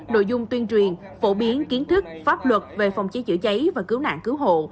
nội dung tuyên truyền phổ biến kiến thức pháp luật về phòng cháy chữa cháy và cứu nạn cứu hộ